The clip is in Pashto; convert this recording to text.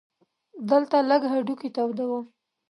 دلته لږ هډوکي تودوم.